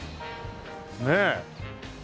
ねえ。